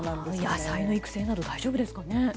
野菜の育成など大丈夫ですかね。